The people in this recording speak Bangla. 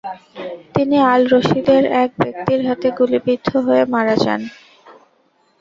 তিনি আল রশিদের এক ব্যক্তির হাতে গুলিবিদ্ধ হয়ে মারা যান।